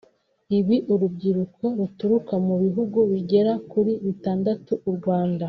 Ibi uru rubyiruko ruturuka mu bihugu bigera kuri bitandatu (u Rwanda